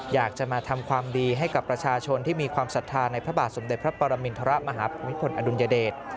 อยากจะมาทำความดีให้กับประชาชนที่มีความศรัทธาในพระบาทสมเด็จพระปรมินทรมาฮภูมิพลอดุลยเดช